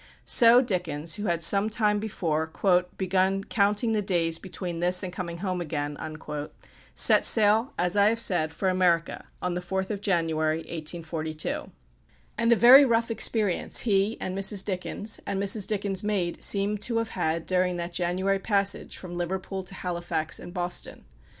So Dickens, who had some time before "begun counting the days between this and coming home again," set sail, as I have said, for America on the 4th of January, 1842. And a very rough experience he, and Mrs. Dickens, and Mrs. Dickens' maid seem to have had during that January passage from Liverpool to Halifax and Boston.